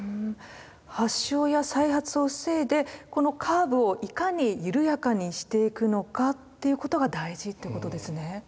発症や再発を防いでこのカーブをいかに緩やかにしていくのかっていうことが大事ってことですね。